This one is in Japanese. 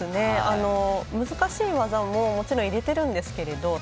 難しい技ももちろん入れてるんですけど